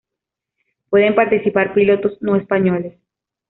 Pueden participar pilotos no españoles.